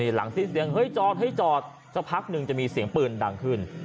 หลังสิ้นเสียงเฮ้ยจอดเฮ้ยจอดสักพักหนึ่งจะมีเสียงปืนดังขึ้น